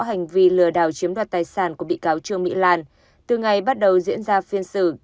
hành vi lừa đảo chiếm đoạt tài sản của bị cáo trương mỹ lan từ ngày bắt đầu diễn ra phiên xử